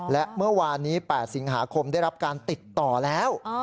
และเมื่อวานนี้๘สิงหาคมได้รับการติดต่อแล้ว